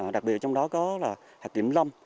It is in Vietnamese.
đặc biệt trong đó có hạt kiểm lâm